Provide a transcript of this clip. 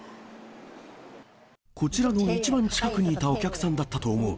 こちらの一番近くにいたお客さんだったと思う。